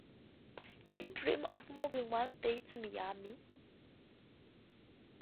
He dreams of moving one day to Miami.